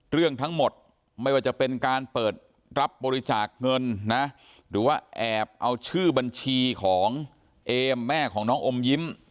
เรื่องทั้งหมดไม่ว่าจะเป็นการเปิดรับบริจาคเงินนะหรือว่าแอบเอาชื่อบัญชีของเอมแม่ของน้องอมยิ้ม